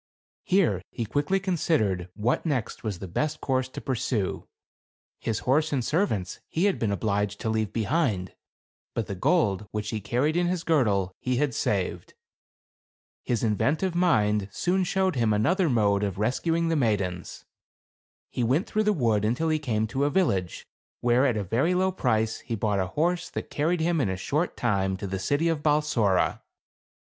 Here he quickly considered what next was the best course to pursue. His horses and servants he had been obliged to leave behind; but the gold, which he carried in his girdle, he had saved. His inventive mind soon showed him another THE CAB AVAN. 177 mode of rescuing the maidens. He went through the wood until he came to a village, where at a very low price, he bought a horse that carried him in a short time to the city of Balsora.